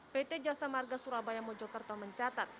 pt jasa marga surabaya mojokerto mencatat